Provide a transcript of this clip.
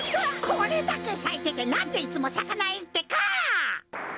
これだけさいててなんでいつもさかないってか！